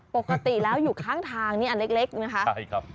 ปกติแล้วอยู่ข้างทางอันเล็กนะคะ